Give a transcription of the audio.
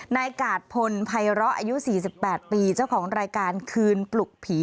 นายกาดพลภัยร้ออายุ๔๘ปีเจ้าของรายการคืนปลุกผี